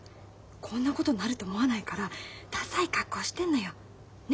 こんなことになると思わないからダサい格好してんのよ。ね！